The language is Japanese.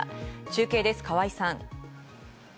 中継です、川合さん。